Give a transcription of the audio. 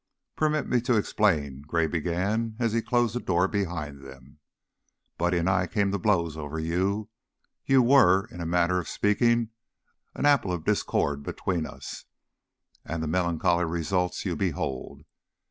"Permit me to explain," Gray began, as he closed the door behind them. "Buddy and I came to blows over you; you were, in a manner of speaking, an apple of discord between us, and the melancholy results you behold.